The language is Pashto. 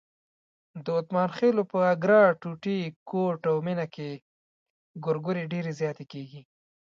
د اتمانخېلو په اګره، ټوټی، کوټ او مېنه کې ګورګورې ډېرې زیاتې کېږي.